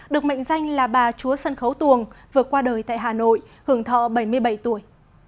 được mệnh danh là bà chúa sân khấu tuồng vượt qua đời tại hà nội hưởng thọ bảy mươi bảy tuổi